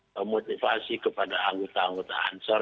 atau motivasi kepada anggota anggota ansor